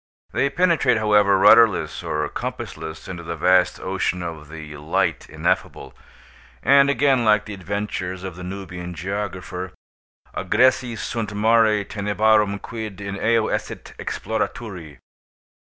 They penetrate, however, rudderless or compassless into the vast ocean of the "light ineffable," and again, like the adventures of the Nubian geographer, "agressi sunt mare tenebrarum, quid in eo esset exploraturi."